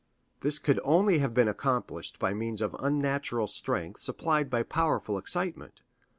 This could only have been accomplished by means of unnatural strength supplied by powerful excitement.